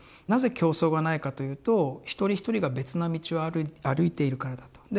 なぜ競争がないかというと一人一人が別な道を歩いているからだと。